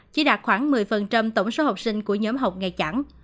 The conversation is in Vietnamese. chỉ đạt khoảng một mươi tổng số học sinh của nhóm học nghề chẳng